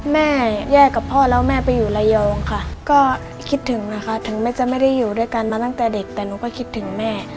แม่แยกกับพ่อแล้วแม่ไปอยู่ระยองค่ะก็คิดถึงนะคะถึงแม่จะไม่ได้อยู่ด้วยกันมาตั้งแต่เด็กแต่หนูก็คิดถึงแม่